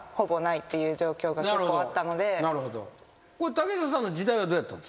竹下さんの時代はどうやったんですか？